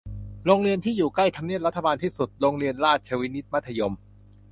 โรงเรียนที่ใกล้ทำเนียบรัฐบาลที่สุด - โรงเรียนราชวินิต มัธยม